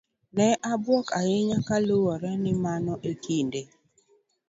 Ne abuok ahinya kaluore ni mano e kinde